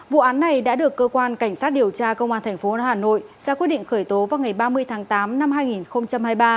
vụ án này đã được cơ quan cảnh sát điều tra công an tp hà nội ra quyết định khởi tố vào ngày ba mươi tháng tám năm hai nghìn hai mươi ba